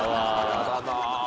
やだな。